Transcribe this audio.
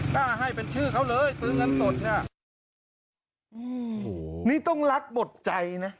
ถ้าให้เป็นชื่อเขาเลยซื้อเงินสดเนี้ยอืมนี่ต้องรักหมดใจนะ